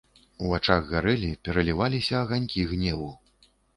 У вачах гарэлі, пераліваліся аганькі гневу.